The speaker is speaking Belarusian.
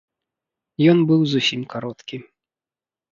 Ён быў зусім кароткі.